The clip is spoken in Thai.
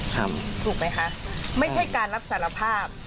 ถูกไหมคะไม่ใช่การรับสารภาพ